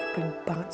pimp banget sih